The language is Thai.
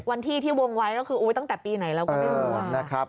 วันที่ที่วงไว้ก็คือตั้งแต่ปีไหนเราก็ไม่รู้